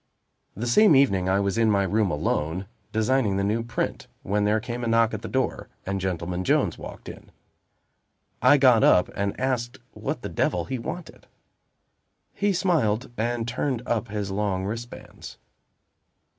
The same evening I was in my room alone, designing the new print, when there came a knock at the door, and Gentleman Jones walked in. I got up, and asked what the devil he wanted. He smiled, and turned up his long wristbands.